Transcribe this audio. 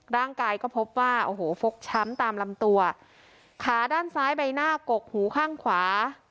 ร่างกายก็พบว่าโอ้โหฟกช้ำตามลำตัวขาด้านซ้ายใบหน้ากกหูข้างขวา